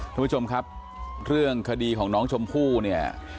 ทุกผู้ชมครับเรื่องคดีของน้องชมพู่เนี่ย